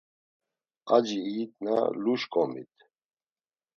Aci iyitna lu şǩomit.